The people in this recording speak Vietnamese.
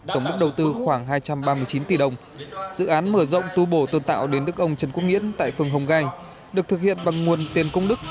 tổng số tiền của nguyễn tại phường hồng gai được thực hiện bằng nguồn tiền công đức